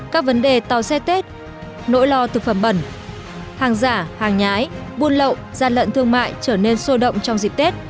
các vấn đề tàu xe tết nỗi lo thực phẩm bẩn hàng giả hàng nhái buôn lậu gian lận thương mại trở nên sôi động trong dịp tết